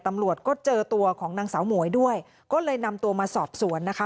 ตำรวจก็เจอตัวของนางสาวหมวยด้วยก็เลยนำตัวมาสอบสวนนะคะ